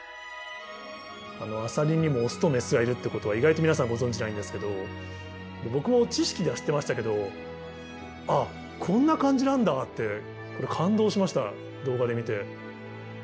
あのアサリにもオスとメスがいるってことは意外と皆さんご存じないんですけど僕も知識では知ってましたけど「ああこんな感じなんだ」ってこれ感動しました動画で見て。